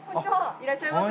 いらっしゃいませ。